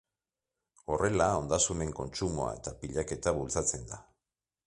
Horrela, ondasunen kontsumoa eta pilaketa bultzatzen da.